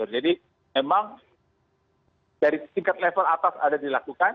jadi memang dari singkat level atas ada dilakukan